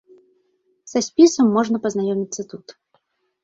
Са спісам можна пазнаёміцца тут.